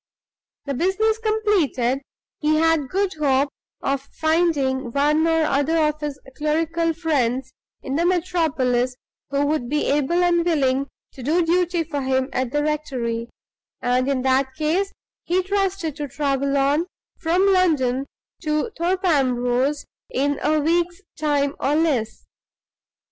The business completed, he had good hope of finding one or other of his clerical friends in the metropolis who would be able and willing to do duty for him at the rectory; and, in that case, he trusted to travel on from London to Thorpe Ambrose in a week's time or less.